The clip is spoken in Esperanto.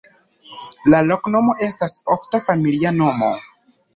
La loknomo estas ofta familia nomo.